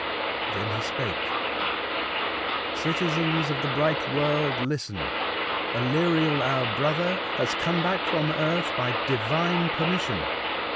Then he spake :—" Citizens of the bright world, listen ! Aleriel, our brother, has come back from earth by divine permission.